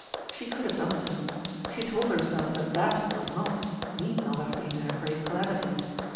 She could have done so. She told herself that that was not, need not have been her great calamity.